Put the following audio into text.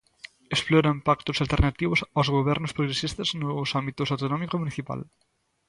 Exploran pactos alternativos aos gobernos progresistas nos ámbitos autonómico e municipal.